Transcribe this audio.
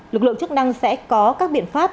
lực lượng chức năng sẽ có các biện pháp